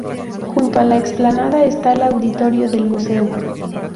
Junto a la explanada está el auditorio del museo.